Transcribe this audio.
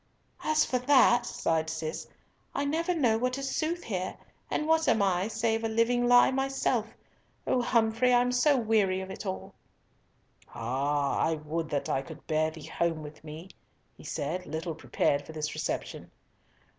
"As for that," sighed Cis, "I never know what is sooth here, and what am I save a living lie myself? O Humfrey! I am so weary of it all." "Ah I would that I could bear thee home with me," he said, little prepared for this reception.